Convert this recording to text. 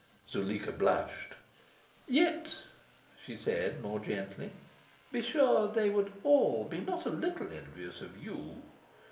Zuleika blushed. "Yet," she said more gently, "be sure they would all be not a little envious of YOU!